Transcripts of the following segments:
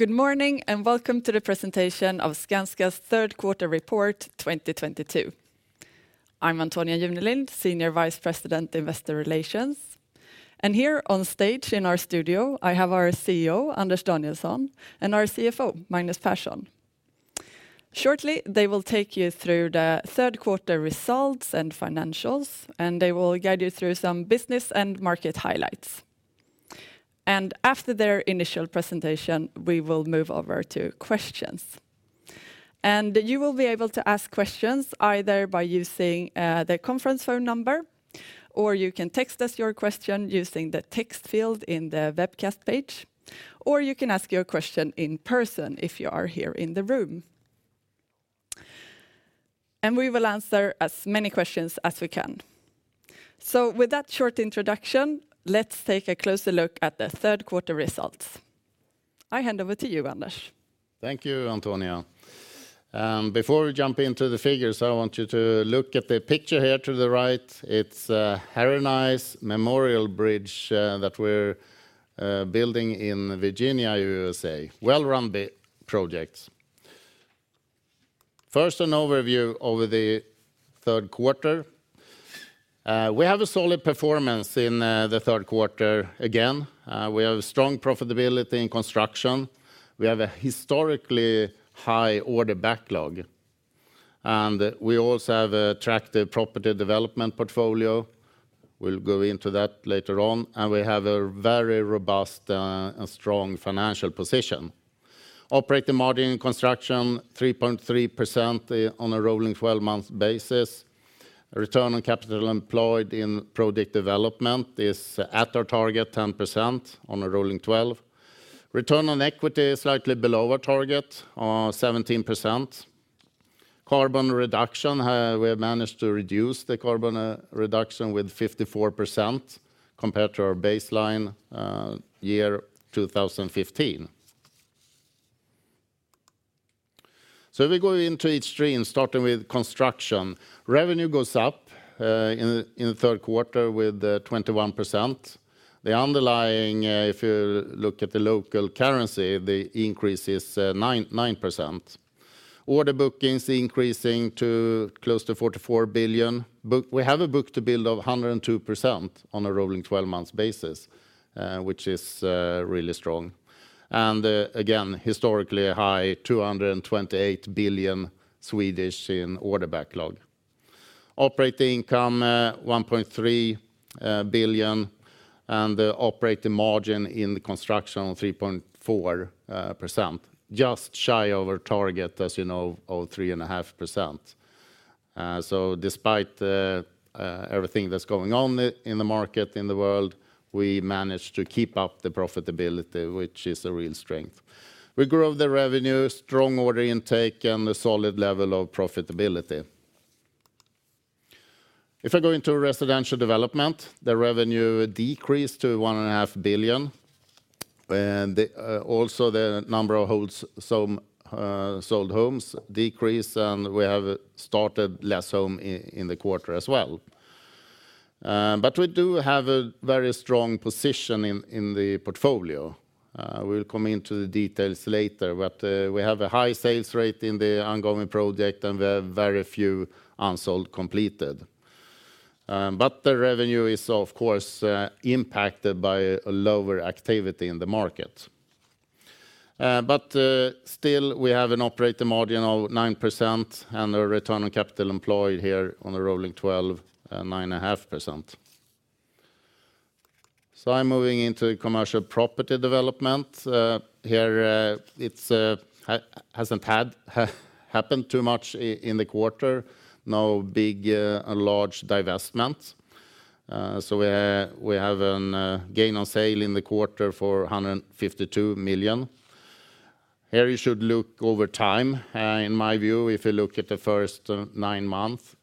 Good morning, and welcome to the presentation of Skanska's third quarter report 2022. I'm Antonia Junelind, Senior Vice President, Investor Relations. Here on stage in our studio, I have our CEO, Anders Danielsson, and our CFO, Magnus Persson. Shortly, they will take you through the third quarter results and financials, and they will guide you through some business and market highlights. After their initial presentation, we will move over to questions. You will be able to ask questions either by using the conference phone number, or you can text us your question using the text field in the webcast page, or you can ask your question in person if you are here in the room. We will answer as many questions as we can. With that short introduction, let's take a closer look at the third quarter results. I hand over to you, Anders. Thank you, Antonia. Before we jump into the figures, I want you to look at the picture here to the right. It's Harry Nice Memorial Bridge that we're building in Virginia, USA. First, an overview over the third quarter. We have a solid performance in the third quarter again. We have a strong profitability in construction. We have a historically high order backlog. We also have attractive property development portfolio. We'll go into that later on. We have a very robust and strong financial position. Operating margin construction 3.3% on a rolling twelve-months basis. Return on capital employed in project development is at our target 10% on a rolling twelve-months. Return on equity is slightly below our target 17%. Carbon reduction, we have managed to reduce the carbon reduction with 54% compared to our baseline year 2015. If we go into each stream, starting with construction. Revenue goes up in the third quarter with 21%. The underlying, if you look at the local currency, the increase is 9%. Order bookings increasing to close to 44 billion. We have a book-to-build of 102% on a rolling twelve-months basis, which is really strong. Again, historically high 228 billion in order backlog. Operating income 1.3 billion, and the operating margin in the construction on 3.4%, just shy over target as you know of 3.5%. Despite everything that's going on in the market, in the world, we managed to keep up the profitability, which is a real strength. We grew the revenue, strong order intake, and a solid level of profitability. If I go into Residential Development, the revenue decreased to 1.5 billion. Also the number of homes sold decreased, and we have started fewer homes in the quarter as well. But we do have a very strong position in the portfolio. We'll come to the details later, but we have a high sales rate in the ongoing project, and we have very few unsold completed. The revenue is of course impacted by a lower activity in the market. Still, we have an operating margin of 9% and a Return on Capital Employed here on a rolling 12-month, 9.5%. I'm moving into Commercial Property Development. Here, it hasn't happened too much in the quarter. No big large divestment. We have a gain on sale in the quarter for 152 million. Here you should look over time. In my view, if you look at the first nine months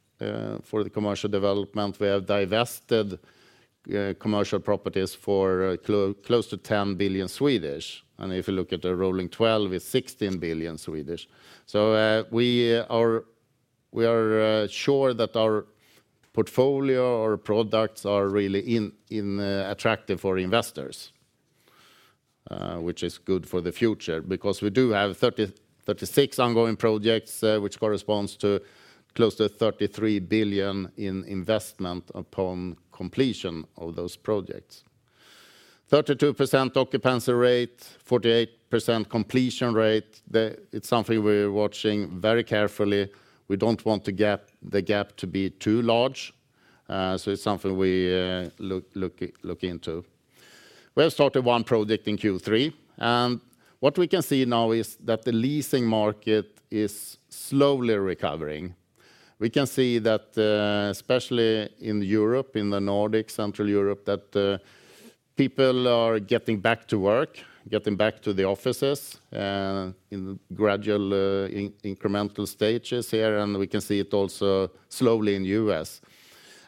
for the commercial development, we have divested commercial properties for close to 10 billion. If you look at the rolling 12-month, it's 16 billion. We are sure that our portfolio or products are really attractive for investors, which is good for the future because we do have 36 ongoing projects, which corresponds to close to 33 billion in investment upon completion of those projects. 32% occupancy rate, 48% completion rate. It's something we're watching very carefully. We don't want the gap to be too large. It's something we look into. We have started one project in Q3, and what we can see now is that the leasing market is slowly recovering. We can see that, especially in Europe, in the Nordic, Central Europe, that people are getting back to work, getting back to the offices, in gradual, incremental stages here, and we can see it also slowly in the U.S.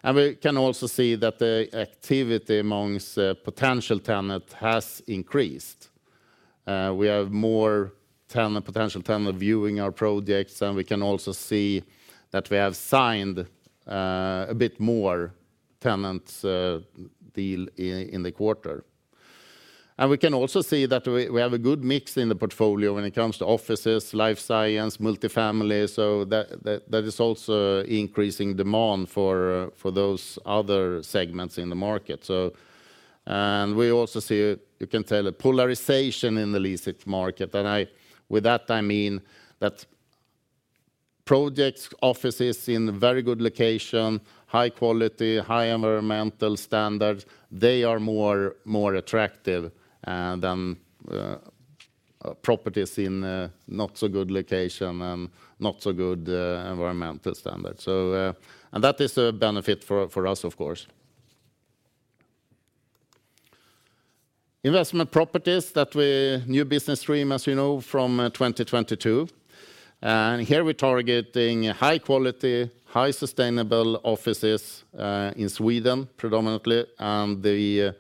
We can also see that the activity amongst potential tenants has increased. We have more potential tenants viewing our projects, and we can also see that we have signed a bit more tenant deals in the quarter. We can also see that we have a good mix in the portfolio when it comes to offices, life science, multifamily. That is also increasing demand for those other segments in the market. We also see you can tell a polarization in the leasing market. With that, I mean that projects, offices in very good location, high quality, high environmental standards, they are more attractive than properties in a not so good location and not so good environmental standards. That is a benefit for us, of course. Investment Properties, new business stream, as you know, from 2022. Here we're targeting high quality, high sustainable offices in Sweden predominantly. The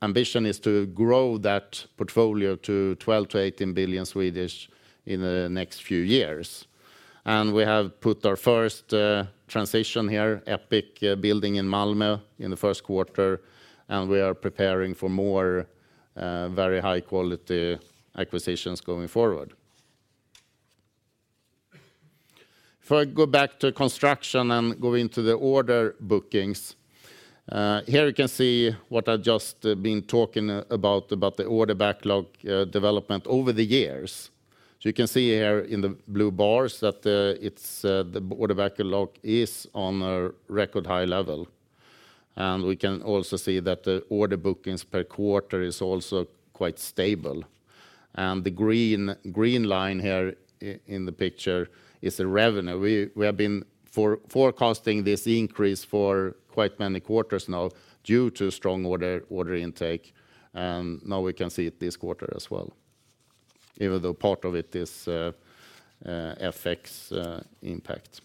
ambition is to grow that portfolio to 12 billion-18 billion in the next few years. We have put our first transaction here, Epic building in Malmö in the first quarter, and we are preparing for more very high quality acquisitions going forward. If I go back to Construction and go into the order bookings, here you can see what I've just been talking about the order backlog development over the years. You can see here in the blue bars that the order backlog is on a record high level. We can also see that the order bookings per quarter is also quite stable. The green line here in the picture is the revenue. We have been forecasting this increase for quite many quarters now due to strong order intake, and now we can see it this quarter as well, even though part of it is FX impact.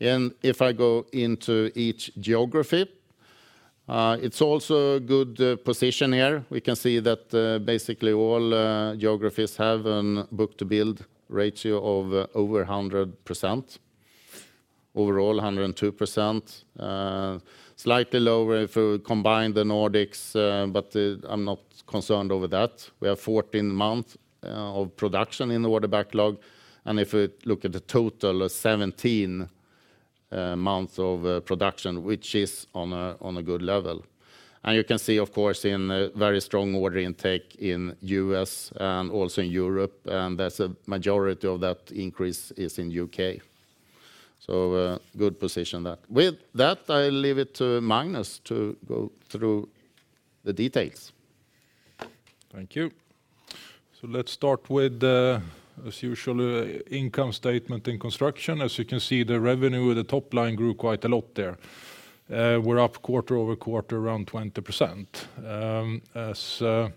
If I go into each geography, it is also a good position here. We can see that, basically all geographies have a book-to-build ratio of over 100%. Overall, 102%. Slightly lower if we combine the Nordics, but I'm not concerned over that. We have 14 months of production in the order backlog. If we look at the total, 17 months of production, which is on a good level. You can see, of course, a very strong order intake in U.S. and also in Europe, and that's a majority of that increase is in U.K. Good position there. With that, I leave it to Magnus to go through the details. Thank you. Let's start with the, as usual, income statement in construction. As you can see, the revenue with the top line grew quite a lot there. We're up quarter-over-quarter around 20%.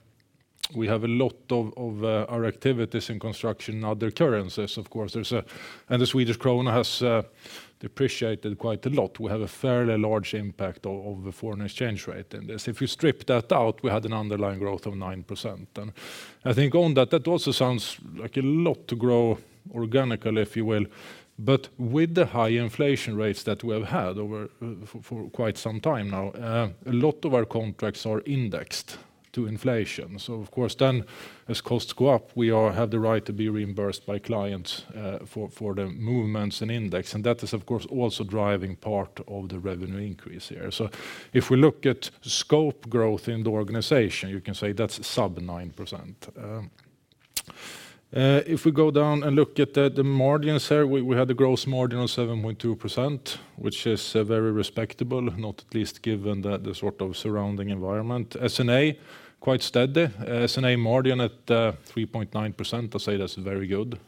We have a lot of our activities in construction in other currencies, of course, and the Swedish krona has depreciated quite a lot. We have a fairly large impact of the foreign exchange rate in this. If you strip that out, we had an underlying growth of 9%. I think on that also sounds like a lot to grow organically, if you will. With the high inflation rates that we have had over for quite some time now, a lot of our contracts are indexed to inflation. Of course then as costs go up, we all have the right to be reimbursed by clients for the movements in index. That is of course also driving part of the revenue increase here. If we look at scope growth in the organization, you can say that's sub 9%. If we go down and look at the margins here, we had the gross margin of 7.2%, which is very respectable, not at least given the sort of surrounding environment. S&A quite steady. S&A margin at 3.9%. I say that's a very good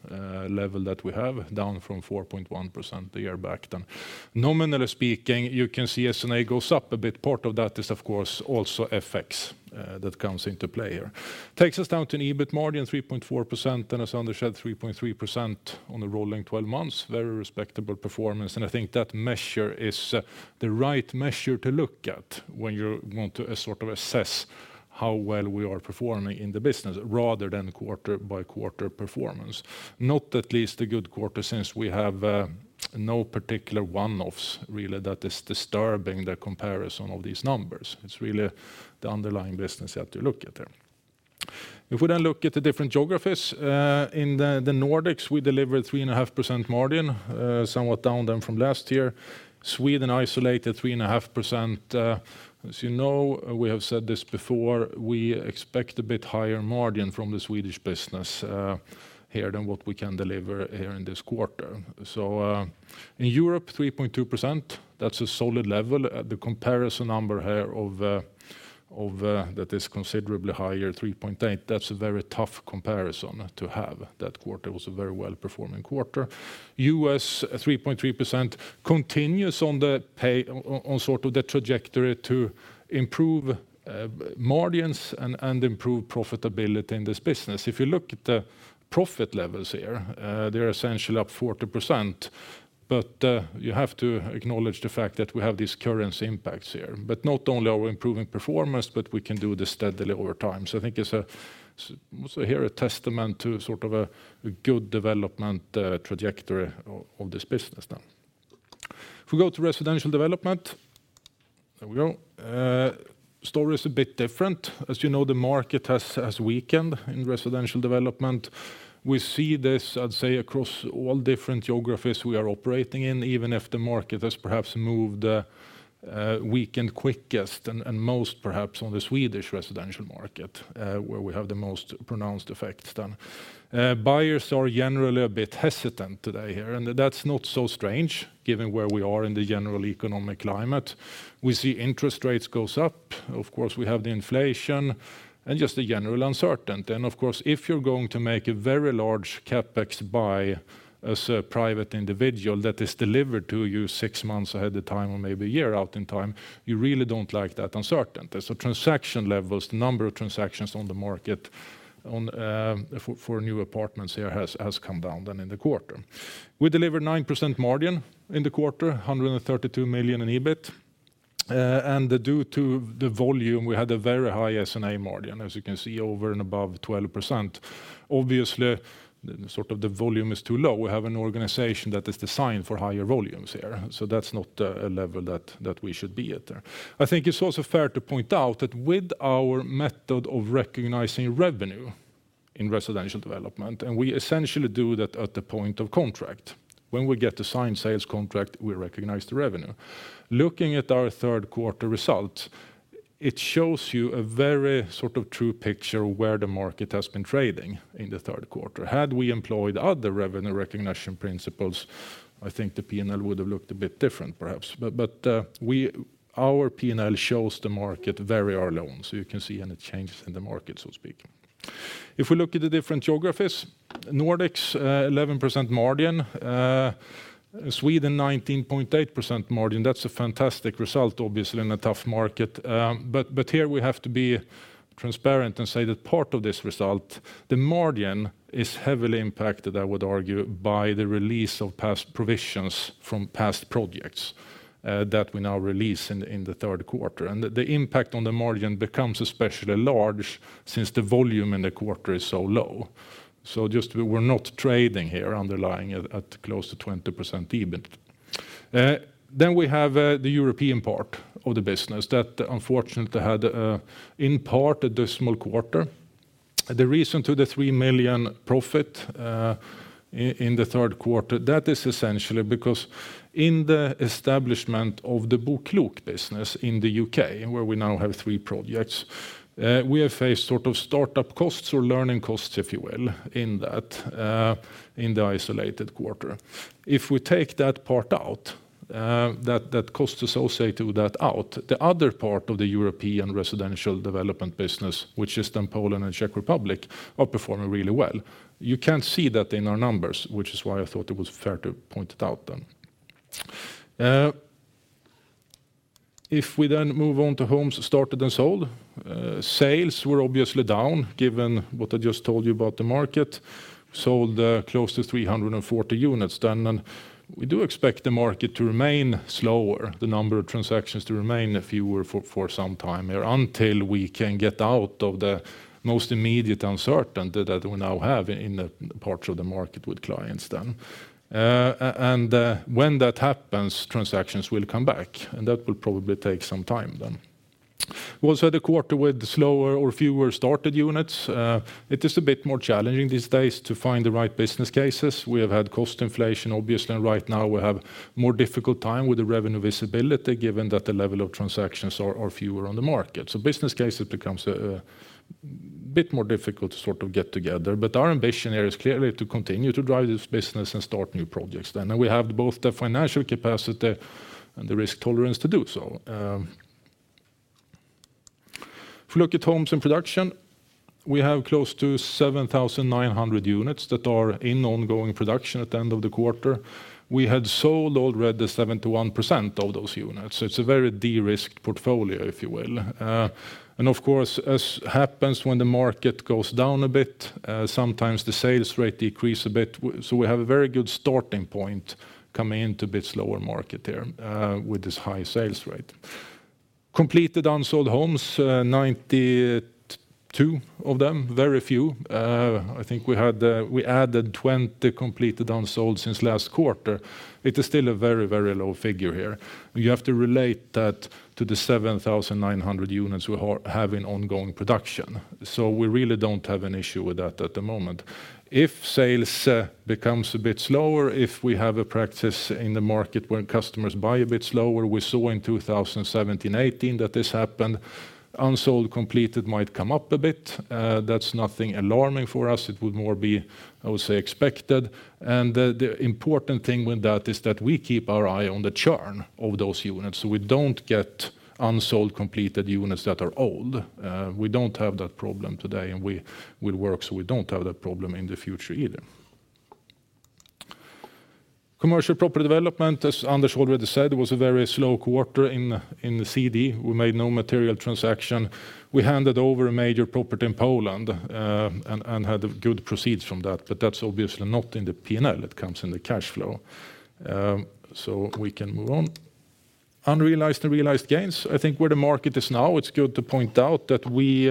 level that we have, down from 4.1% a year back then. Nominally speaking, you can see S&A goes up a bit. Part of that is of course also FX that comes into play here. Takes us down to an EBIT margin, 3.4%, and as Anders said, 3.3% on the rolling twelve-months. Very respectable performance. I think that measure is the right measure to look at when you want to sort of assess how well we are performing in the business rather than quarter-by-quarter performance. Not least a good quarter since we have no particular one-offs really that is disturbing the comparison of these numbers. It's really the underlying business you have to look at there. If we then look at the different geographies, in the Nordics, we delivered 3.5% margin, somewhat down then from last year. Sweden isolated 3.5%. As you know, we have said this before, we expect a bit higher margin from the Swedish business here than what we can deliver here in this quarter. In Europe, 3.2%, that's a solid level. The comparison number here that is considerably higher, 3.8%. That's a very tough comparison to have. That quarter was a very well-performing quarter. U.S., 3.3% continues on sort of the trajectory to improve margins and improve profitability in this business. If you look at the profit levels here, they're essentially up 40%. You have to acknowledge the fact that we have these currency impacts here. Not only are we improving performance, but we can do this steadily over time. I think it's also here a testament to sort of a good development trajectory of this business now. If we go to Residential Development, there we go. Story is a bit different. As you know, the market has weakened in Residential Development. We see this, I'd say, across all different geographies we are operating in, even if the market has perhaps moved weakened quickest and most perhaps on the Swedish residential market, where we have the most pronounced effects then. Buyers are generally a bit hesitant today here, and that's not so strange given where we are in the general economic climate. We see interest rates goes up. Of course, we have the inflation and just a general uncertainty. Of course, if you're going to make a very large CapEx buy as a private individual that is delivered to you six months ahead of time or maybe a year out in time, you really don't like that uncertainty. Transaction levels, the number of transactions on the market for new apartments here has come down from in the quarter. We delivered 9% margin in the quarter, 132 million in EBIT. Due to the volume, we had a very high S&A margin, as you can see, over and above 12%. Obviously, sort of the volume is too low. We have an organization that is designed for higher volumes here, so that's not a level that we should be at there. I think it's also fair to point out that with our method of recognizing revenue in residential development, and we essentially do that at the point of contract. When we get the signed sales contract, we recognize the revenue. Looking at our third quarter results, it shows you a very sort of true picture where the market has been trading in the third quarter. Had we employed other revenue recognition principles, I think the P&L would have looked a bit different perhaps. Our P&L shows the market very early on, so you can see any changes in the market, so to speak. If we look at the different geographies, Nordics, 11% margin, Sweden 19.8% margin. That's a fantastic result obviously in a tough market. Here we have to be transparent and say that part of this result, the margin is heavily impacted, I would argue, by the release of past provisions from past projects, that we now release in the third quarter. The impact on the margin becomes especially large since the volume in the quarter is so low. Just we're not trading here underlying at close to 20% EBIT. We have the European part of the business that unfortunately had in part a dismal quarter. The reason to the 3 million profit in the third quarter, that is essentially because in the establishment of the BoKlok business in the U.K., where we now have three projects, we have faced sort of start-up costs or learning costs, if you will, in that in the isolated quarter. If we take that part out, that cost associated with that out, the other part of the European residential development business, which is then Poland and Czech Republic, are performing really well. You can't see that in our numbers, which is why I thought it was fair to point it out then. If we then move on to homes started and sold, sales were obviously down, given what I just told you about the market. Sold close to 340 units then, and we do expect the market to remain slower, the number of transactions to remain fewer for some time here until we can get out of the most immediate uncertainty that we now have in parts of the market with clients then. When that happens, transactions will come back, and that will probably take some time then. Also the quarter with slower or fewer started units, it is a bit more challenging these days to find the right business cases. We have had cost inflation obviously, and right now we have more difficult time with the revenue visibility given that the level of transactions are fewer on the market. So business cases becomes bit more difficult to sort of get together. But our ambition here is clearly to continue to drive this business and start new projects then. We have both the financial capacity and the risk tolerance to do so. If we look at homes in production, we have close to 7,900 units that are in ongoing production at the end of the quarter. We had sold already 71% of those units. It's a very de-risked portfolio, if you will. And of course, as happens when the market goes down a bit, sometimes the sales rate decrease a bit. We have a very good starting point coming into a bit slower market here, with this high sales rate. Completed unsold homes, 92 of them, very few. I think we added 20 completed unsold since last quarter. It is still a very, very low figure here. You have to relate that to the 7,900 units we have in ongoing production. We really don't have an issue with that at the moment. If sales becomes a bit slower, if we have a practice in the market when customers buy a bit slower, we saw in 2017, 2018 that this happened, unsold completed might come up a bit. That's nothing alarming for us. It would more be, I would say, expected. The important thing with that is that we keep our eye on the churn of those units, so we don't get unsold completed units that are old. We don't have that problem today, and we'll work so we don't have that problem in the future either. Commercial Property Development, as Anders already said, was a very slow quarter in the CD. We made no material transaction. We handed over a major property in Poland, and had good proceeds from that. That's obviously not in the P&L. It comes in the cash flow. We can move on. Unrealized and realized gains. I think where the market is now, it's good to point out that we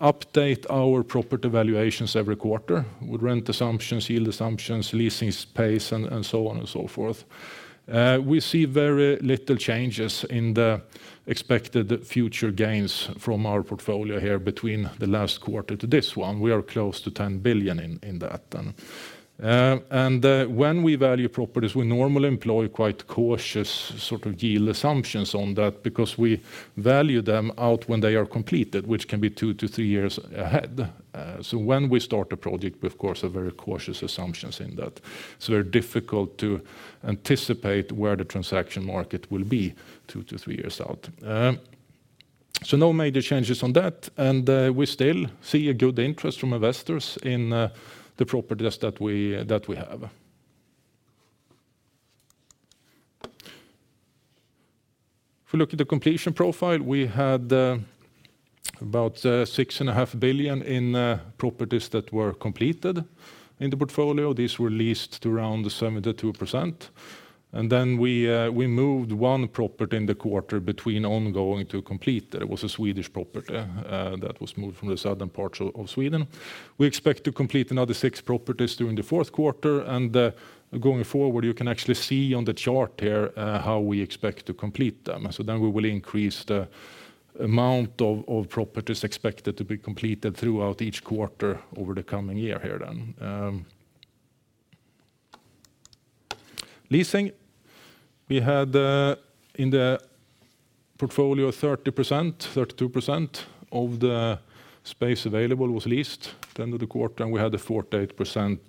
update our property valuations every quarter with rent assumptions, yield assumptions, leasing space, and so on and so forth. We see very little changes in the expected future gains from our portfolio here between the last quarter to this one. We are close to 10 billion in that. When we value properties, we normally employ quite cautious sort of yield assumptions on that because we value them out when they are completed, which can be two to three years ahead. When we start a project, we of course have very cautious assumptions in that. It's very difficult to anticipate where the transaction market will be two to three years out. No major changes on that, and we still see a good interest from investors in the properties that we have. If we look at the completion profile, we had about 6.5 billion in properties that were completed in the portfolio. These were leased to around 72%. We moved one property in the quarter between ongoing to completed. It was a Swedish property that was moved from the southern parts of Sweden. We expect to complete another six properties during the fourth quarter, and going forward, you can actually see on the chart here how we expect to complete them. We will increase the amount of properties expected to be completed throughout each quarter over the coming year here then. Leasing, we had in the portfolio 30%, 32% of the space available was leased at the end of the quarter, and we had a 48%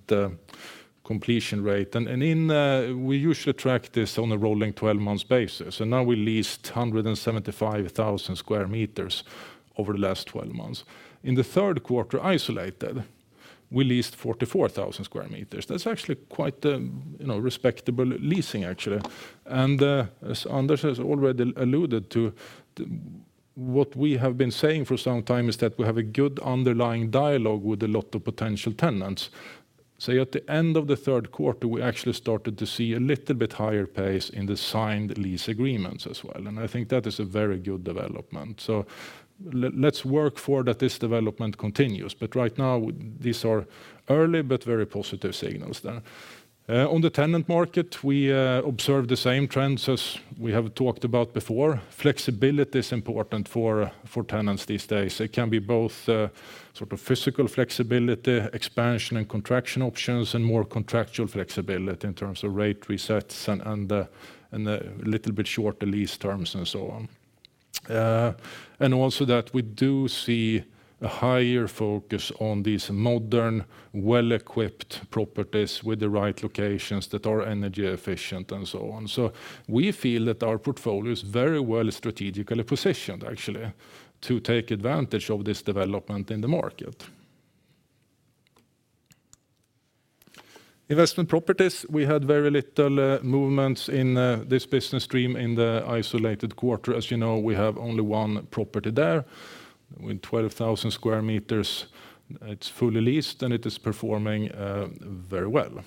completion rate. We usually track this on a rolling twelve-months basis, and now we leased 175,000 sq m over the last twelve months. In the third quarter, isolated, we leased 44,000 sq m. That's actually quite, you know, respectable leasing, actually. As Anders has already alluded to, what we have been saying for some time is that we have a good underlying dialogue with a lot of potential tenants. At the end of the third quarter, we actually started to see a little bit higher pace in the signed lease agreements as well, and I think that is a very good development. Let's hope that this development continues, but right now these are early but very positive signals. On the tenant market, we observe the same trends as we have talked about before. Flexibility is important for tenants these days. It can be both sort of physical flexibility, expansion and contraction options, and more contractual flexibility in terms of rate resets and a little bit shorter lease terms and so on. And also that we do see a higher focus on these modern, well-equipped properties with the right locations that are energy efficient and so on. We feel that our portfolio is very well strategically positioned actually to take advantage of this development in the market. Investment Properties, we had very little movements in this business stream in the isolated quarter. As you know, we have only one property there. With 12,000 sq m, it's fully leased, and it is performing very well.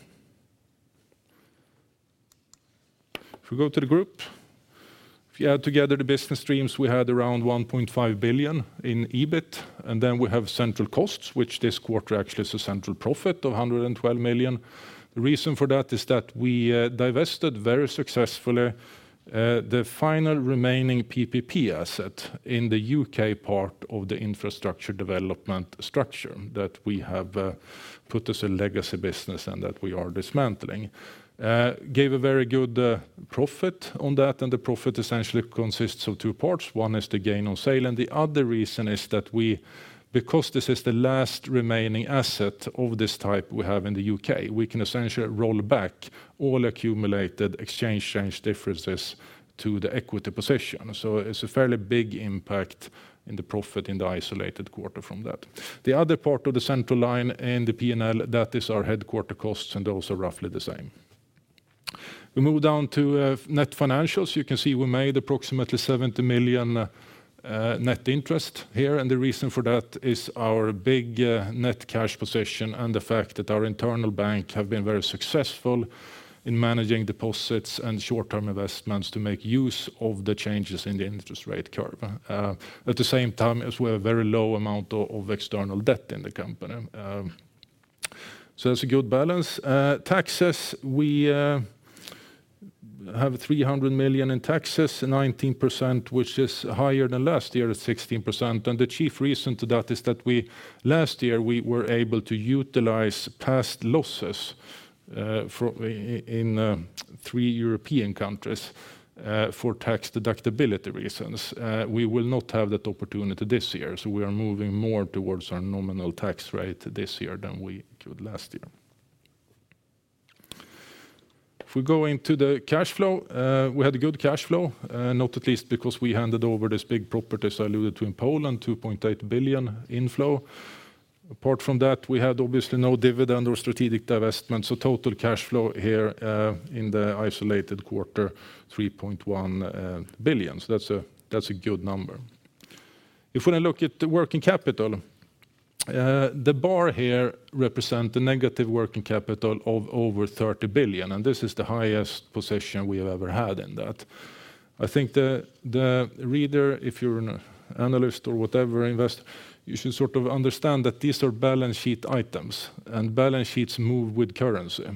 If we go to the group, if you add together the business streams, we had around 1.5 billion in EBIT, and then we have central costs, which this quarter actually is a central profit of 112 million. The reason for that is that we divested very successfully the final remaining PPP asset in the U.K. part of the infrastructure development structure that we have put as a legacy business and that we are dismantling. Gave a very good profit on that, and the profit essentially consists of two parts. One is the gain on sale, and the other reason is that we, because this is the last remaining asset of this type we have in the U.K., we can essentially roll back all accumulated exchange rate differences to the equity position. It's a fairly big impact in the profit in the isolated quarter from that. The other part of the central line in the P&L, that is our headquarters costs, and those are roughly the same. We move down to net financials. You can see we made approximately 70 million net interest here, and the reason for that is our big net cash position and the fact that our internal bank have been very successful in managing deposits and short-term investments to make use of the changes in the interest rate curve. At the same time as we have very low amount of external debt in the company. It's a good balance. Taxes, we have 300 million in taxes, 19%, which is higher than last year at 16%. The chief reason for that is that we, last year, we were able to utilize past losses from three European countries for tax deductibility reasons. We will not have that opportunity this year, so we are moving more towards our nominal tax rate this year than we could last year. If we go into the cash flow, we had good cash flow, not least because we handed over this big property, as I alluded to, in Poland, 2.8 billion inflow. Apart from that, we had obviously no dividend or strategic divestment, so total cash flow here in the isolated quarter, 3.1 billion. That's a good number. If we look at the working capital, the bar here represents the negative working capital of over 30 billion, and this is the highest position we have ever had in that. I think the reader, if you're an analyst or whatever, investor, you should sort of understand that these are balance sheet items, and balance sheets move with currency.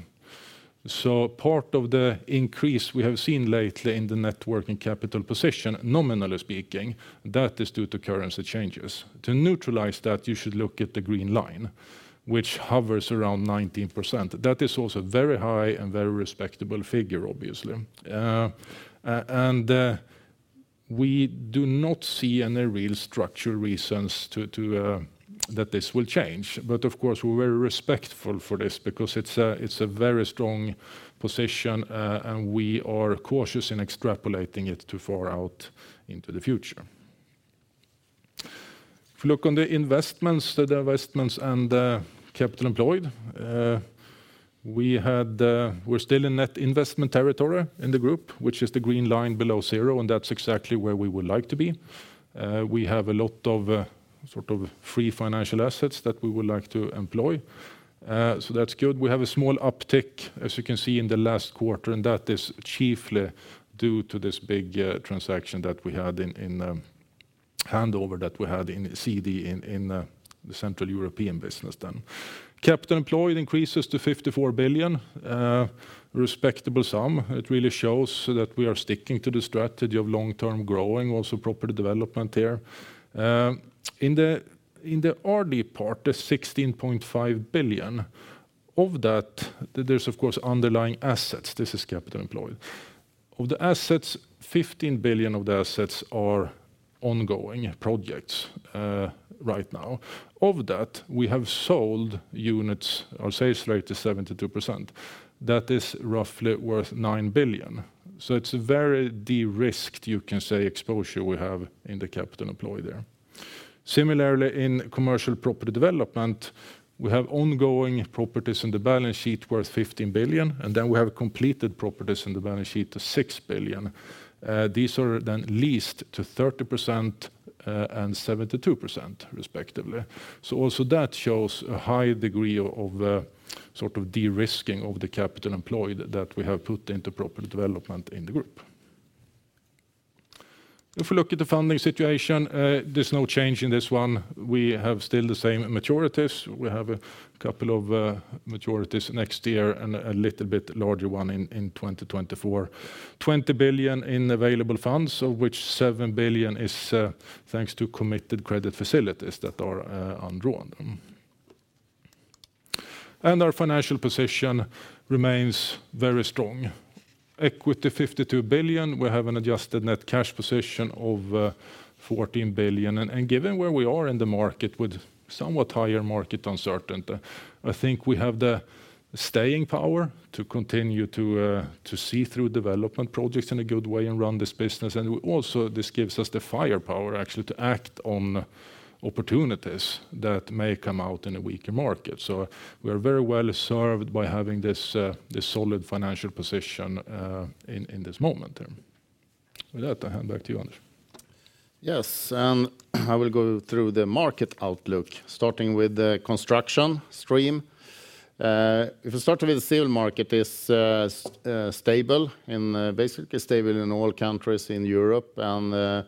So part of the increase we have seen lately in the net working capital position, nominally speaking, that is due to currency changes. To neutralize that, you should look at the green line, which hovers around 19%. That is also very high and very respectable figure, obviously. We do not see any real structural reasons to that this will change. Of course, we're very respectful for this because it's a very strong position, and we are cautious in extrapolating it too far out into the future. If you look on the investments, the investments and capital employed, we're still in net investment territory in the group, which is the green line below zero, and that's exactly where we would like to be. We have a lot of sort of free financial assets that we would like to employ. That's good. We have a small uptick, as you can see, in the last quarter, and that is chiefly due to this big transaction that we had in handover that we had in CD in the Central European business then. Capital employed increases to 54 billion, respectable sum. It really shows that we are sticking to the strategy of long-term growing, also property development there. In the RD part, the 16.5 billion, of that, there's of course underlying assets. This is capital employed. Of the assets, 15 billion of the assets are ongoing projects right now. Of that, we have sold units. Our sales rate is 72%. That is roughly worth 9 billion. It's a very de-risked, you can say, exposure we have in the capital employed there. Similarly, in commercial property development, we have ongoing properties in the balance sheet worth 15 billion, and then we have completed properties in the balance sheet of 6 billion. These are then leased to 30%, and 72% respectively. Also that shows a high degree of sort of de-risking of the capital employed that we have put into property development in the group. If you look at the funding situation, there's no change in this one. We have still the same maturities. We have a couple of maturities next year and a little bit larger one in 2024. 20 billion in available funds, of which 7 billion is thanks to committed credit facilities that are undrawn. Our financial position remains very strong. Equity 52 billion. We have an adjusted net cash position of 14 billion. Given where we are in the market with somewhat higher market uncertainty, I think we have the staying power to continue to see through development projects in a good way and run this business. Also this gives us the firepower actually to act on opportunities that may come out in a weaker market. We are very well served by having this solid financial position in this moment there. With that, I hand back to you, Anders. Yes, I will go through the market outlook, starting with the construction stream. If we start with the civil market is stable and basically stable in all countries in Europe and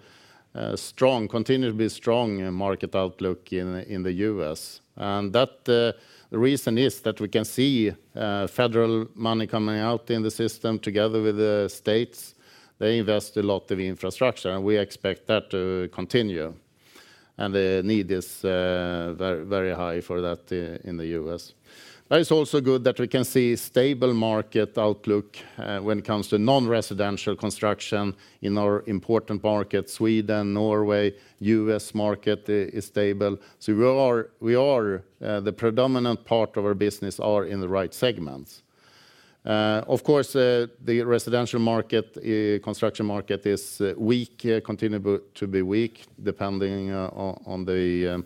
strong, continually strong market outlook in the U.S. That reason is that we can see federal money coming out in the system together with the states. They invest a lot in infrastructure, and we expect that to continue. The need is very, very high for that in the U.S. It's also good that we can see stable market outlook when it comes to non-residential construction in our important markets. Sweden, Norway, U.S. market is stable. We are the predominant part of our business are in the right segments. Of course, the residential market, construction market is weak, continue to be weak depending on the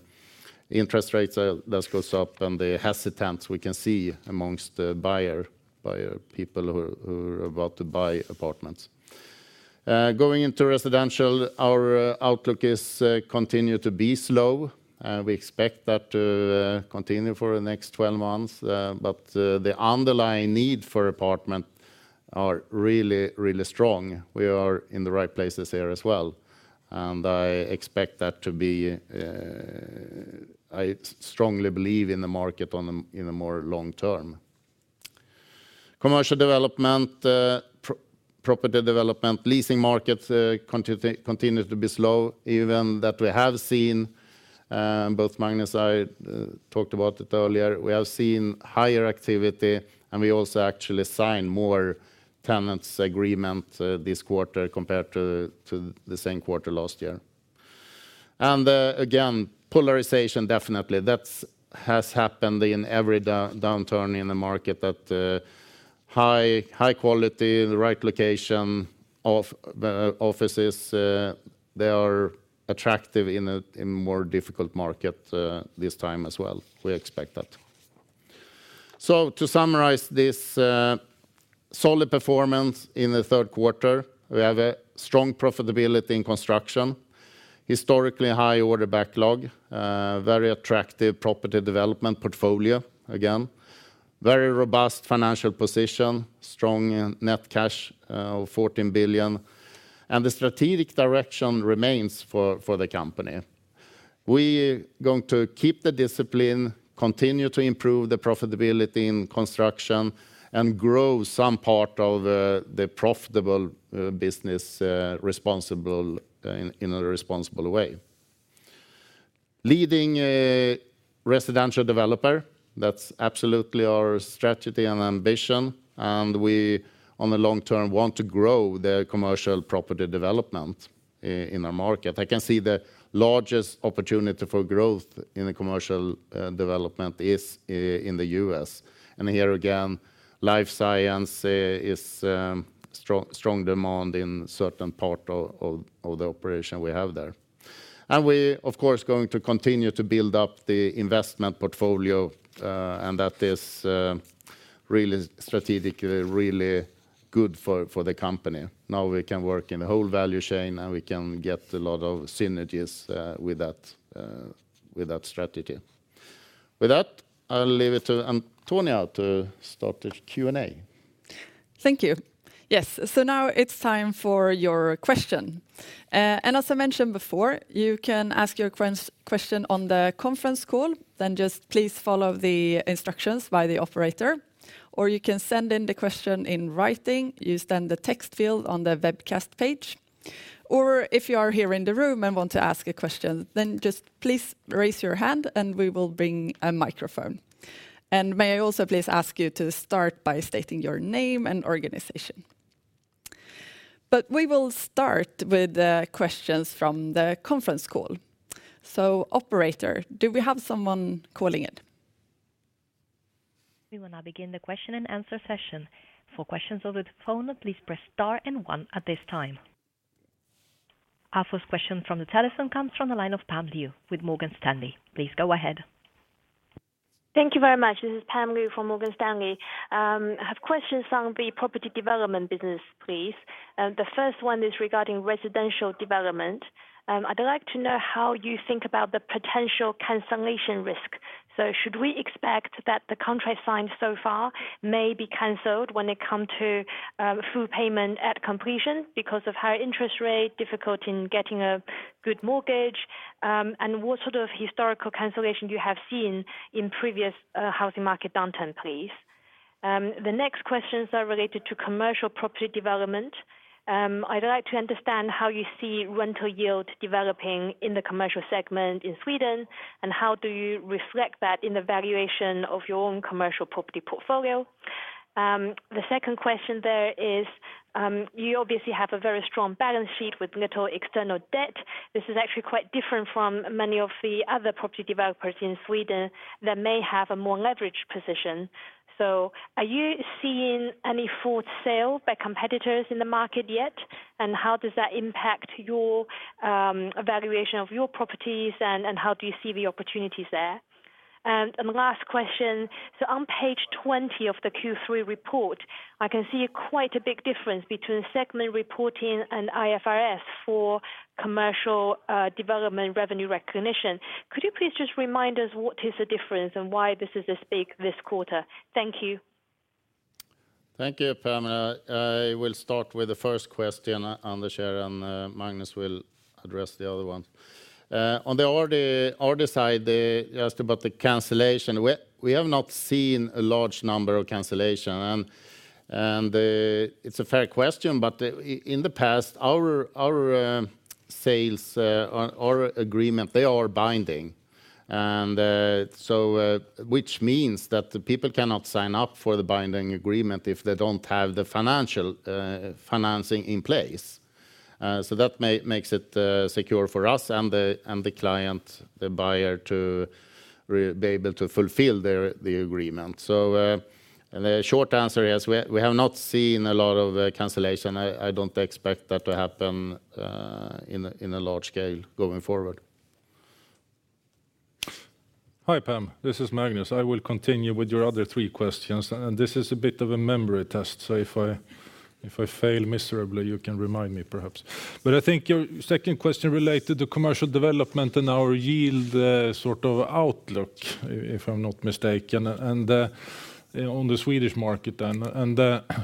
interest rates that goes up and the hesitance we can see amongst the buyer people who are about to buy apartments. Going into residential, our outlook is continue to be slow. We expect that to continue for the next 12 months. The underlying need for apartments are really strong. We are in the right places there as well. I expect that to be, I strongly believe in the market in the more long term. Commercial development, property development, leasing markets continue to be slow even that we have seen both Magnus and I talked about it earlier. We have seen higher activity, and we also actually sign more tenants agreement this quarter compared to the same quarter last year. Again, polarization definitely. That has happened in every downturn in the market that high quality, the right location of offices, they are attractive in a more difficult market this time as well. We expect that. To summarize this, solid performance in the third quarter, we have a strong profitability in construction, historically high order backlog, very attractive property development portfolio, again, very robust financial position, strong net cash of 14 billion, and the strategic direction remains for the company. We going to keep the discipline, continue to improve the profitability in construction and grow some part of the profitable business responsible in a responsible way. Leading a residential developer, that's absolutely our strategy and ambition, and we, on the long term, want to grow the commercial property development in our market. I can see the largest opportunity for growth in the commercial development is in the U.S. Here again, life science is strong demand in certain part of the operation we have there. We, of course, going to continue to build up the investment portfolio, and that is really strategic, really good for the company. Now we can work in the whole value chain, and we can get a lot of synergies with that, with that strategy. With that, I'll leave it to Antonia to start the Q&A. Thank you. Yes. Now it's time for your question. As I mentioned before, you can ask your question on the conference call. Just please follow the instructions by the operator, or you can send in the question in writing. Use then the text field on the webcast page. If you are here in the room and want to ask a question, just please raise your hand, and we will bring a microphone. May I also please ask you to start by stating your name and organization. We will start with the questions from the conference call. Operator, do we have someone calling in? We will now begin the question-and-answer session. For questions over the phone, please press star and one at this time. Our first question from the telephone comes from the line of Pam Liu with Morgan Stanley. Please go ahead. Thank you very much. This is Pam Liu from Morgan Stanley. I have questions on the property development business, please. The first one is regarding residential development. I'd like to know how you think about the potential cancellation risk. Should we expect that the contracts signed so far may be canceled when it comes to full payment at completion because of higher interest rates, difficulty in getting a good mortgage? What sort of historical cancellation rates have you seen in previous housing market downturns, please? The next questions are related to commercial property development. I'd like to understand how you see rental yield developing in the commercial segment in Sweden, and how do you reflect that in the valuation of your own commercial property portfolio? The second question there is, you obviously have a very strong balance sheet with little external debt. This is actually quite different from many of the other property developers in Sweden that may have a more leveraged position. Are you seeing any forced sale by competitors in the market yet? How does that impact your evaluation of your properties, and how do you see the opportunities there? The last question, on page 20 of the Q3 report, I can see quite a big difference between segment reporting and IFRS for commercial development revenue recognition. Could you please just remind us what is the difference and why this is this big this quarter? Thank you. Thank you, Pam. I will start with the first question. Anders here, and Magnus will address the other one. On the order side, you asked about the cancellation. We have not seen a large number of cancellation. It's a fair question, but in the past, our sales or agreement, they are binding. Which means that the people cannot sign up for the binding agreement if they don't have the financial financing in place. That makes it secure for us and the client, the buyer, to be able to fulfill their agreement. The short answer is we have not seen a lot of cancellation. I don't expect that to happen in a large scale going forward. Hi, Pam. This is Magnus. I will continue with your other three questions. This is a bit of a memory test, so if I fail miserably, you can remind me perhaps. I think your second question related to commercial development and our yield, sort of outlook, if I'm not mistaken, and on the Swedish market then.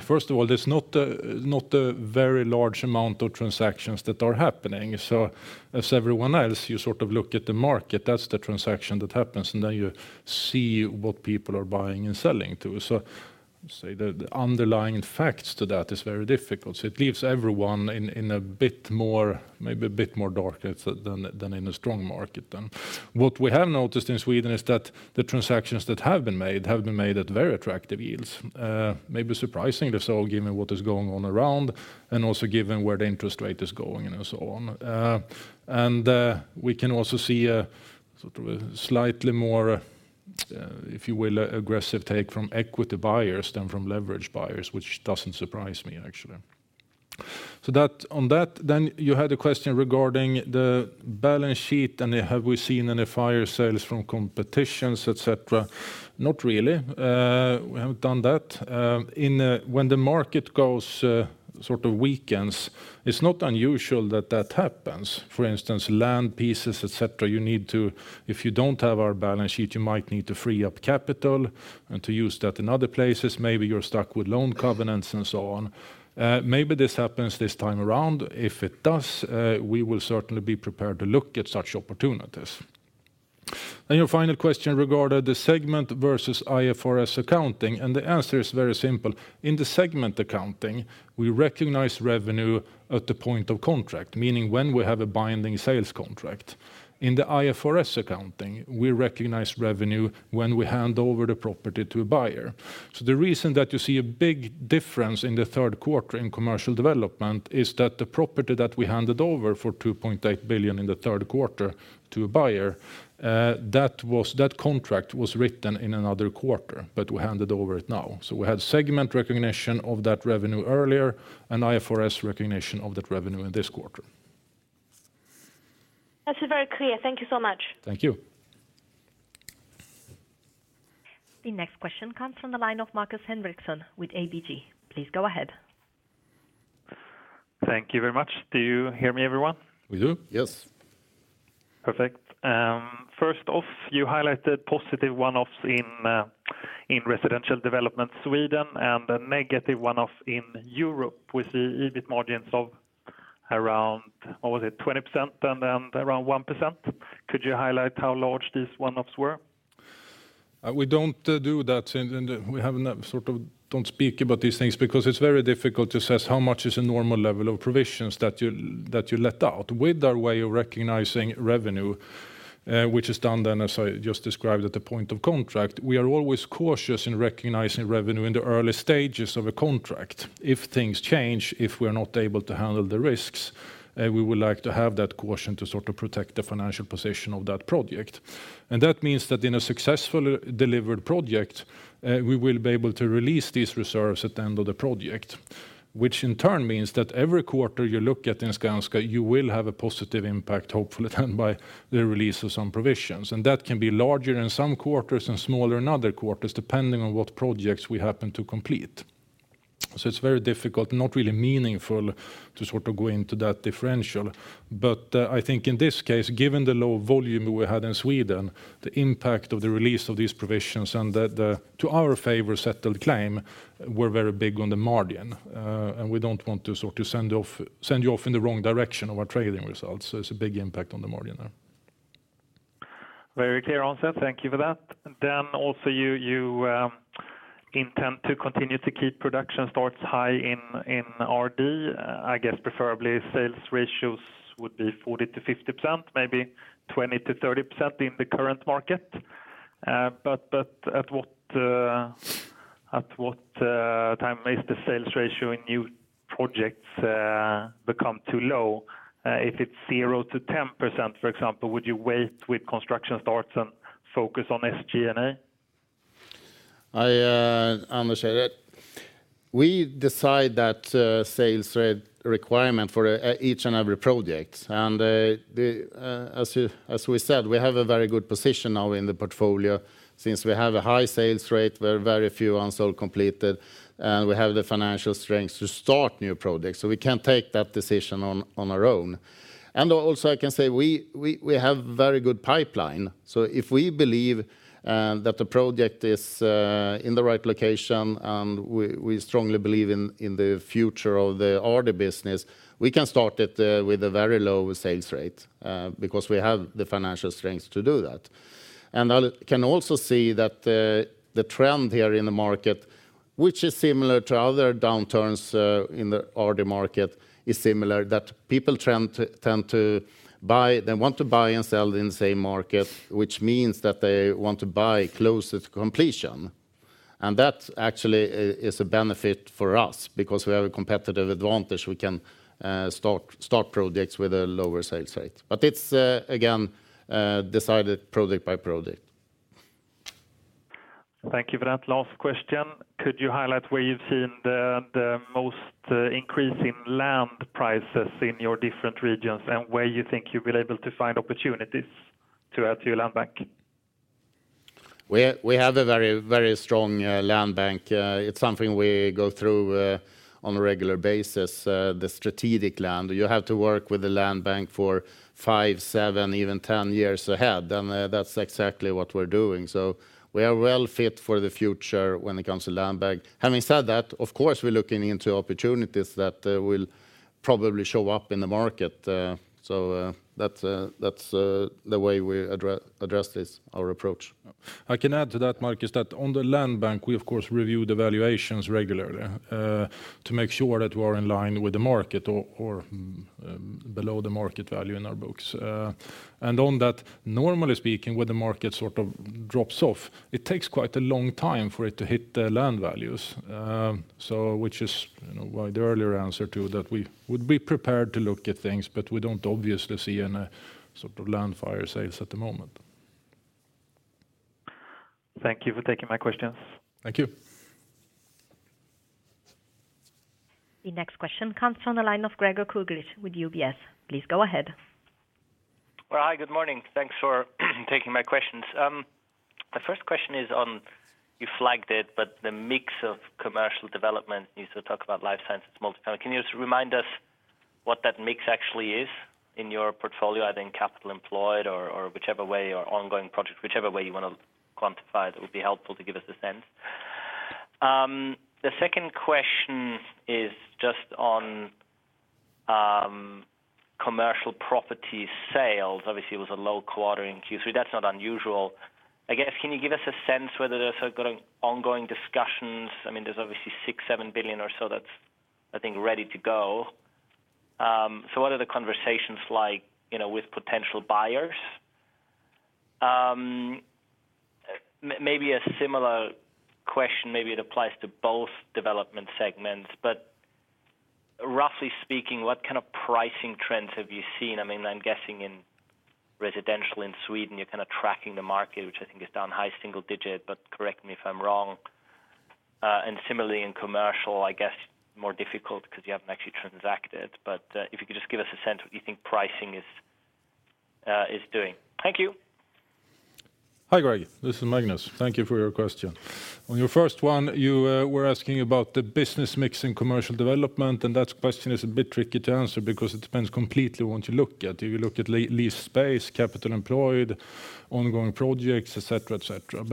First of all, there's not a very large amount of transactions that are happening. As everyone else, you sort of look at the market, that's the transaction that happens, and then you see what people are buying and selling to. Say the underlying facts to that is very difficult. It leaves everyone in a bit more, maybe a bit more darker than in a strong market then. What we have noticed in Sweden is that the transactions that have been made have been made at very attractive yields. Maybe surprisingly so, given what is going on around and also given where the interest rate is going and so on. We can also see a sort of slightly more, if you will, aggressive take from equity buyers than from leverage buyers, which doesn't surprise me actually. That, on that then you had a question regarding the balance sheet, and then have we seen any fire sales from competitors, et cetera? Not really. We haven't done that. When the market sort of weakens, it's not unusual that happens. For instance, land pieces, et cetera. If you don't have our balance sheet, you might need to free up capital and to use that in other places. Maybe you're stuck with loan covenants and so on. Maybe this happens this time around. If it does, we will certainly be prepared to look at such opportunities. Your final question regarded the segment versus IFRS accounting, and the answer is very simple. In the segment accounting, we recognize revenue at the point of contract, meaning when we have a binding sales contract. In the IFRS accounting, we recognize revenue when we hand over the property to a buyer. The reason that you see a big difference in the third quarter in commercial development is that the property that we handed over for 2.8 billion in the third quarter to a buyer, that was, that contract was written in another quarter, but we handed over it now. We had segment recognition of that revenue earlier and IFRS recognition of that revenue in this quarter. That's very clear. Thank you so much. Thank you. The next question comes from the line of Markus Henriksson with ABG. Please go ahead. Thank you very much. Do you hear me, everyone? We do, yes. Perfect. First off, you highlighted positive one-offs in Residential Development Sweden and a negative one-off in Europe with the EBIT margins of around, what was it? 20% and then around 1%. Could you highlight how large these one-offs were? We don't do that. We have not sort of don't speak about these things because it's very difficult to assess how much is a normal level of provisions that you let out. With our way of recognizing revenue, which is done then as I just described at the point of contract, we are always cautious in recognizing revenue in the early stages of a contract. If things change, if we're not able to handle the risks, we would like to have that caution to sort of protect the financial position of that project. That means that in a successful delivered project, we will be able to release these reserves at the end of the project, which in turn means that every quarter you look at in Skanska, you will have a positive impact, hopefully then by the release of some provisions. That can be larger in some quarters and smaller in other quarters, depending on what projects we happen to complete. It's very difficult, not really meaningful to sort of go into that differential. I think in this case, given the low volume we had in Sweden, the impact of the release of these provisions and the to our favor settled claim were very big on the margin. We don't want to sort of send you off in the wrong direction of our trading results. It's a big impact on the margin there. Very clear answer. Thank you for that. Also you intend to continue to keep production starts high in RD. I guess preferably sales ratios would be 40%-50%, maybe 20%-30% in the current market. At what time is the sales ratio in new projects become too low? If it's 0-10%, for example, would you wait with construction starts and focus on SG&A? I understand that. We decide that sales rate requirement for each and every project. As we said, we have a very good position now in the portfolio. Since we have a high sales rate, very, very few unsold completed, and we have the financial strength to start new projects. We can take that decision on our own. Also, I can say we have very good pipeline. If we believe that the project is in the right location and we strongly believe in the future of the RD business, we can start it with a very low sales rate because we have the financial strength to do that. I can also see that the trend here in the market, which is similar to other downturns in the RD market, is similar that people tend to buy. They want to buy and sell in the same market, which means that they want to buy closer to completion. That actually is a benefit for us because we have a competitive advantage. We can start projects with a lower sales rate. It's again decided project by project. Thank you for that. Last question. Could you highlight where you've seen the most increase in land prices in your different regions and where you think you'll be able to find opportunities to add to your land bank? We have a very strong land bank. It's something we go through on a regular basis. The strategic land. You have to work with the land bank for five, seven, even 10 years ahead, and that's exactly what we're doing. We are well fit for the future when it comes to land bank. Having said that, of course, we're looking into opportunities that will probably show up in the market. That's the way we address this, our approach. I can add to that, Marcus, that on the land bank, we of course review the valuations regularly to make sure that we're in line with the market or below the market value in our books. Normally speaking, when the market sort of drops off, it takes quite a long time for it to hit the land values. Which is, you know, why the earlier answer to that we would be prepared to look at things, but we don't obviously see any sort of land fire sales at the moment. Thank you for taking my questions. Thank you. The next question comes from the line of Gregor Kuglitsch with UBS. Please go ahead. Well, hi, good morning. Thanks for taking my questions. The first question is on, you flagged it, but the mix of commercial development needs to talk about life sciences multifamily. Can you just remind us what that mix actually is in your portfolio, either in capital employed or whichever way your ongoing project, whichever way you want to quantify it would be helpful to give us a sense. The second question is just on, commercial property sales. Obviously it was a low quarter in Q3. That's not unusual. I guess, can you give us a sense whether there's ongoing discussions? I mean, there's obviously 6 billion-7 billion or so that's, I think, ready to go. So what are the conversations like, you know, with potential buyers? Maybe a similar question, maybe it applies to both development segments, but roughly speaking, what kind of pricing trends have you seen? I mean, I'm guessing in residential in Sweden, you're kind of tracking the market, which I think is down high single digit, but correct me if I'm wrong. Similarly in commercial, I guess more difficult because you haven't actually transacted. If you could just give us a sense of what you think pricing is doing. Thank you. Hi, Greg. This is Magnus. Thank you for your question. On your first one, you were asking about the business mix in commercial development, and that question is a bit tricky to answer because it depends completely on what you look at. If you look at leased space, capital employed, ongoing projects, et cetera, et cetera.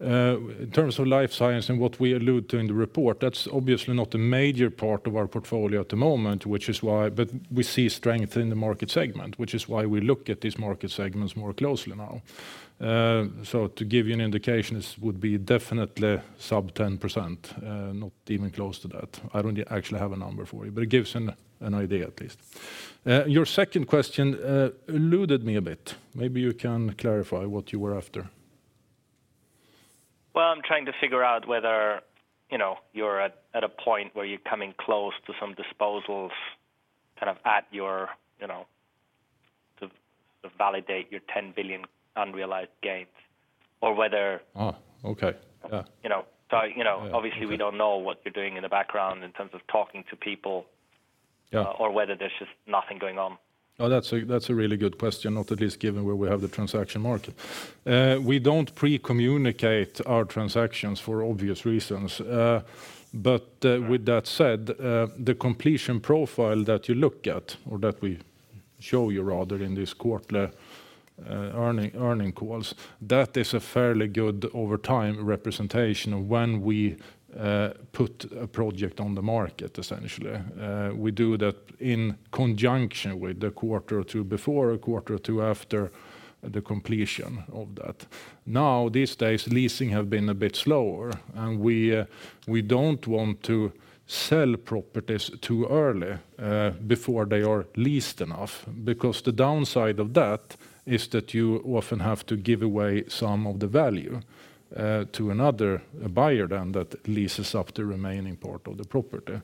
In terms of life science and what we allude to in the report, that's obviously not a major part of our portfolio at the moment. We see strength in the market segment, which is why we look at these market segments more closely now. To give you an indication, this would be definitely sub-10%, not even close to that. I don't actually have a number for you, but it gives an idea at least. Your second question eluded me a bit. Maybe you can clarify what you were after. Well, I'm trying to figure out whether, you know, you're at a point where you're coming close to some disposals, kind of at your, you know, to validate your 10 billion unrealized gains or whether- Oh, okay. Yeah. You know. You know, obviously we don't know what you're doing in the background in terms of talking to people. Yeah. whether there's just nothing going on. No, that's a really good question, not least given where we have the transaction market. We don't pre-communicate our transactions for obvious reasons. With that said, the completion profile that you look at or that we show you rather in this quarterly earnings calls, that is a fairly good, over time, representation of when we put a project on the market, essentially. We do that in conjunction with the quarter or two before, a quarter or two after the completion of that. Now, these days, leasing have been a bit slower, and we don't want to sell properties too early before they are leased enough, because the downside of that is that you often have to give away some of the value to another buyer then that leases up the remaining part of the property.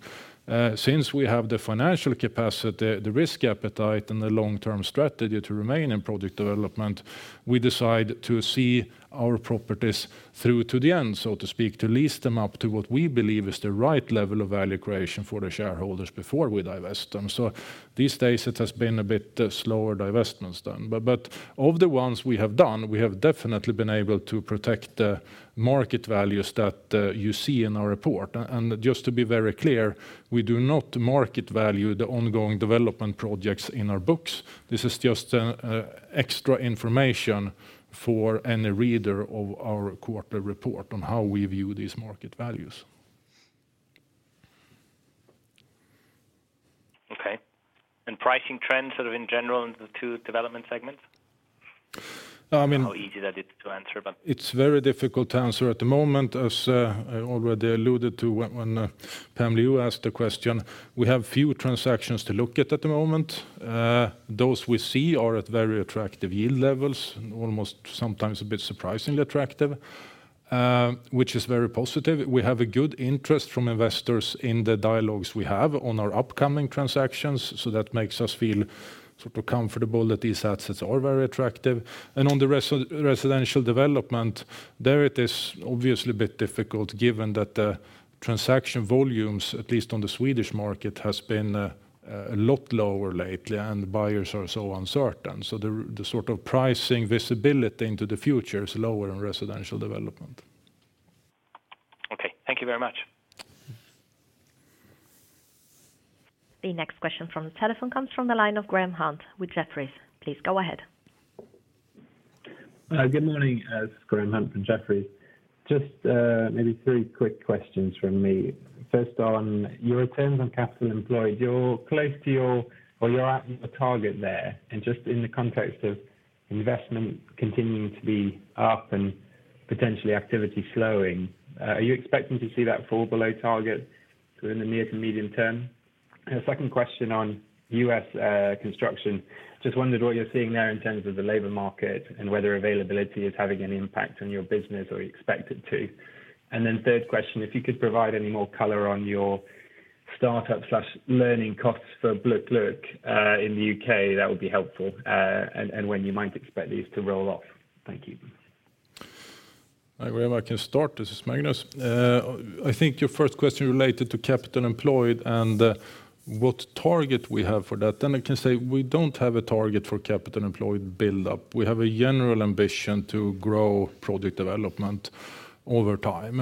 Since we have the financial capacity, the risk appetite, and the long-term strategy to remain in project development, we decide to see our properties through to the end, so to speak, to lease them up to what we believe is the right level of value creation for the shareholders before we divest them. These days it has been a bit slower divestments done. Of the ones we have done, we have definitely been able to protect the market values that you see in our report. Just to be very clear, we do not market value the ongoing development projects in our books. This is just extra information for any reader of our quarterly report on how we view these market values. Okay. Pricing trends sort of in general in the two development segments? I mean. I don't know how easy that is to answer, but. It's very difficult to answer at the moment. As I already alluded to when Pam Liu asked the question. We have few transactions to look at at the moment. Those we see are at very attractive yield levels and almost sometimes a bit surprisingly attractive, which is very positive. We have a good interest from investors in the dialogues we have on our upcoming transactions. That makes us feel sort of comfortable that these assets are very attractive. On the residential development there, it is obviously a bit difficult given that the transaction volumes, at least on the Swedish market, has been a lot lower lately and buyers are so uncertain. The sort of pricing visibility into the future is lower in residential development. Okay. Thank you very much. The next question from the telephone comes from the line of Graham Hunt with Jefferies. Please go ahead. Good morning. This is Graham Hunt from Jefferies. Just, maybe three quick questions from me. First on your return on capital employed. You're close to your target or at a target there. Just in the context of investment continuing to be up and potentially activity slowing, are you expecting to see that fall below target within the near to medium term? A second question on U.S. construction. Just wondered what you're seeing there in terms of the labor market and whether availability is having any impact on your business or you expect it to. Third question, if you could provide any more color on your. Startup/learning costs for BoKlok, in the U.K., that would be helpful. When you might expect these to roll off. Thank you. I agree, I can start. This is Magnus. I think your first question related to capital employed and what target we have for that. I can say we don't have a target for capital employed build-up. We have a general ambition to grow property development over time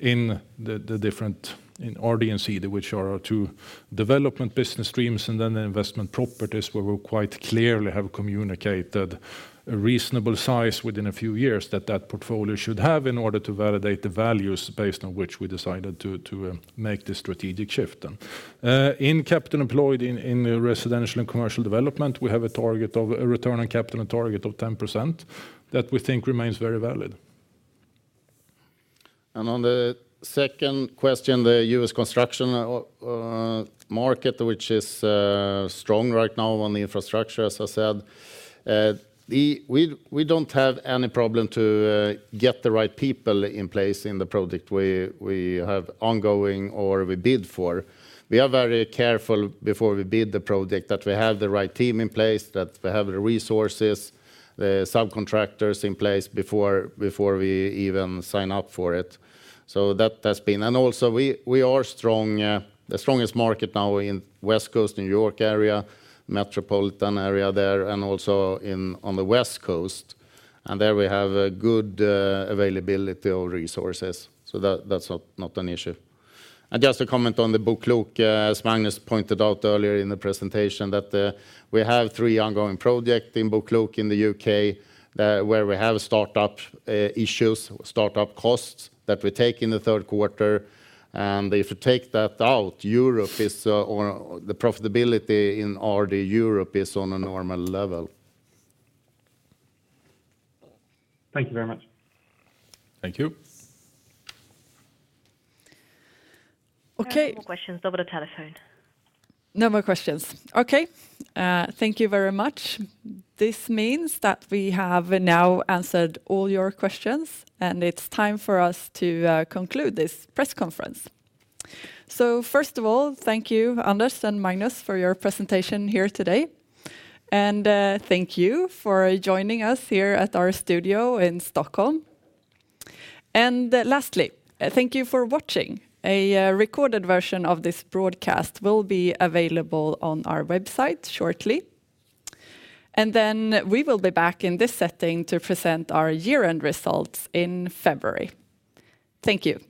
in RD&CD which are our two development business streams, and then the investment properties where we quite clearly have communicated a reasonable size within a few years that that portfolio should have in order to validate the values based on which we decided to make the strategic shift. In capital employed in residential and commercial development, we have a target of a return on capital target of 10% that we think remains very valid. On the second question, the U.S. construction market, which is strong right now on the infrastructure, as I said. We don't have any problem to get the right people in place in the project we have ongoing or we bid for. We are very careful before we bid the project that we have the right team in place, that we have the resources, the subcontractors in place before we even sign up for it. We are strong, the strongest market now in West Coast, New York area, metropolitan area there, and also on the West Coast. There we have a good availability of resources. That, that's not an issue. Just to comment on the BoKlok, as Magnus pointed out earlier in the presentation, that we have three ongoing project in BoKlok in the U.K., where we have startup issues, startup costs that we take in the third quarter. If you take that out, Europe is, or the profitability in RD Europe is on a normal level. Thank you very much. Thank you. Okay. There are no more questions over the telephone. No more questions. Okay. Thank you very much. This means that we have now answered all your questions, and it's time for us to conclude this press conference. First of all, thank you, Anders and Magnus, for your presentation here today. Thank you for joining us here at our studio in Stockholm. Lastly, thank you for watching. Recorded version of this broadcast will be available on our website shortly. Then we will be back in this setting to present our year-end results in February. Thank you.